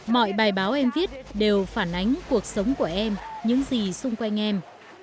mọi bài báo em viết đều phản ánh cuộc sống của em những gì xung quanh em